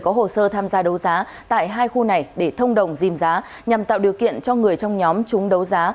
có hồ sơ tham gia đấu giá tại hai khu này để thông đồng dìm giá nhằm tạo điều kiện cho người trong nhóm chúng đấu giá